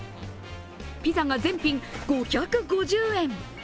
ピザが全品５５０円。